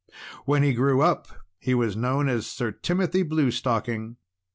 When he grew up, he was known as Sir Timothy Bluestocking.